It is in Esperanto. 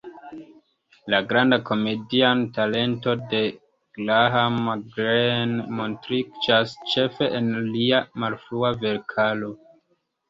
La granda komedia talento de Graham Greene montriĝas ĉefe en lia malfrua verkaro.